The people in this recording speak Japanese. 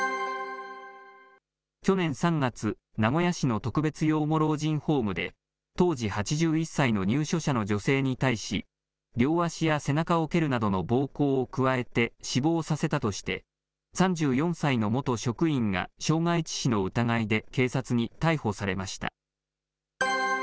去年３月、名古屋市の特別養護老人ホームで、当時８１歳の入所者の女性に対し、両足や背中を蹴るなどの暴行を加えて死亡させたとして、３４歳の元職員が傷害致死の疑いで警察に逮捕されました。